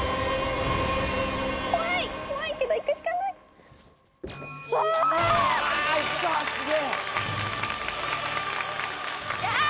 怖い怖いけどいくしかないおーっ！